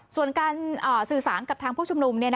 ส่วนการสื่อสารกับทางผู้ชุมนุม